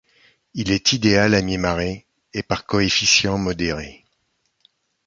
Il est idéal à mi-marée et par coefficient modéré.